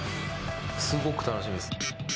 すごく楽しみです。